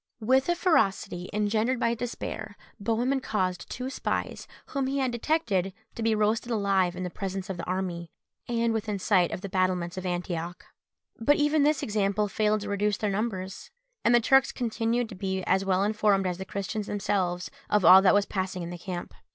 With a ferocity, engendered by despair, Bohemund caused two spies, whom he had detected, to be roasted alive in presence of the army, and within sight of the battlements of Antioch. But even this example failed to reduce their numbers, and the Turks continued to be as well informed as the Christians themselves of all that was passing in the camp.